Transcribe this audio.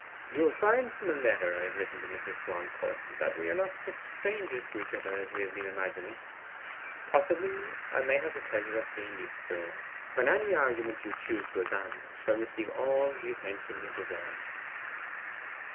You will find from a letter I have written to Mrs. Swancourt, that we are not such strangers to each other as we have been imagining. Possibly, I may have the pleasure of seeing you soon, when any argument you choose to advance shall receive all the attention it deserves."